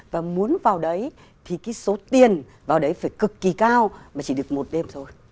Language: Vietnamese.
và muốn vào đấy thì cái số tiền vào đấy phải cực kỳ cao mà chỉ được một đêm thôi